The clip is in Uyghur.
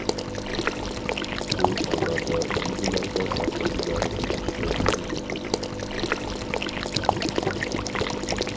ئۇ چاغلاردا يېزىلاردا ساقچى ئىدارىسىنىڭ شۆبىلىرى يوق ئىدى.